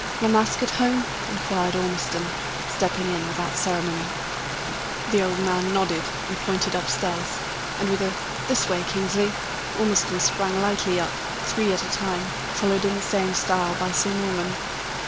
"La Masque at home?" inquired Ormiston, stepping in, without ceremony. The old man nodded, and pointed up stairs; and with a "This way, Kingsley," Ormiston sprang lightly up, three at a time, followed in the same style by Sir Norman.